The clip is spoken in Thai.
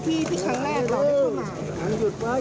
ที่ครั้งแรกเราได้เข้ามา